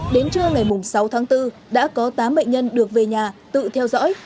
đến trưa ngày sáu tháng bốn đã có tám bệnh nhân được về nhà tự theo dõi